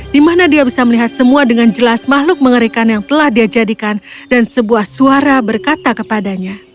di mana dia bisa melihat semua dengan jelas makhluk mengerikan yang telah dia jadikan dan sebuah suara berkata kepadanya